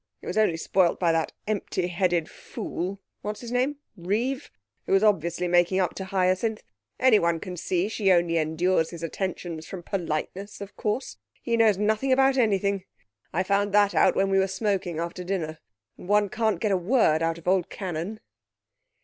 It was only spoilt by that empty headed fool what's his name Reeve, who was obviously making up to Hyacinth. Anyone can see she only endures his attentions from politeness, of course. He knows nothing about anything. I found that out when we were smoking after dinner; and one can't get a word out of old Cannon.'